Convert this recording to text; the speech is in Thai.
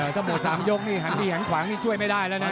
ถ้าหมด๓ยกนี่หันดีหันขวางนี่ช่วยไม่ได้แล้วนะ